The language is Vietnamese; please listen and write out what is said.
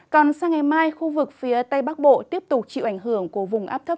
còn sang ngày mai khu vực phía tây bắc bộ tiếp tục chịu ảnh hưởng của vùng áp thấp